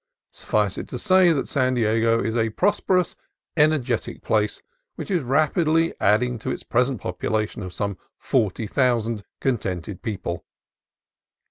Suffice it to say that San Diego is a prosper ous, energetic place, which is rapidly adding to its present population of some forty thousand contented people.